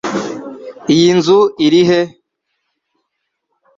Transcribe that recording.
Iyi nzu iri he?